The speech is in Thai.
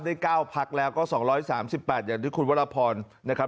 ๙พักแล้วก็๒๓๘อย่างที่คุณวรพรนะครับ